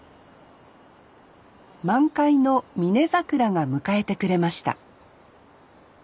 満開のミネザクラが迎えてくれました